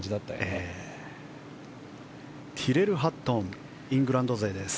ティレル・ハットンイングランド勢です。